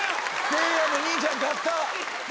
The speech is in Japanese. せいやの兄ちゃん勝った！